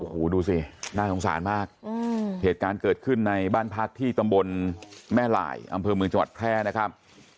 โอ้โหดูสิน่าสงสารมากเหตุการณ์เกิดขึ้นในบ้านพักที่ตำบลแม่หลายอำเภอเมืองจังหวัดแพร่นะครับ